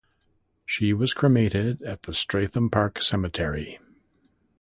She was cremated at Streatham Park Cemetery.